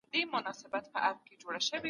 حقیقت تل برلاسی کیږي.